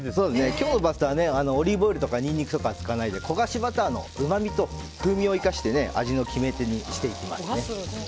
今日のパスタはオリーブオイルとかニンニクを使わないで焦がしバターのうまみと風味を生かして味の決め手にしていきますね。